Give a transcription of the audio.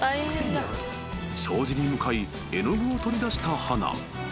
［障子に向かい絵の具を取り出した華］